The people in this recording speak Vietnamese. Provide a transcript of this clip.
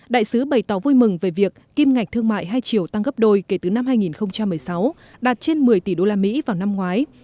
đại sứ bày tỏ vui mừng về việc kim ngạch thương mại hai triệu tăng gấp đôi kể từ năm hai nghìn một mươi sáu đạt trên một mươi tỷ usd vào năm ngoái